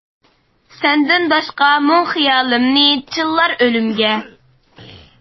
سەندىن باشقا مۇڭ خىيالىمنى چىللار ئۆلۈمگە.